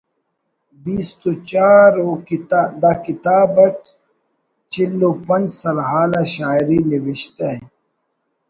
بیست و چار ءُ دا کتاب اٹ چل و پنچ سرحال آ شاعری نوشتہ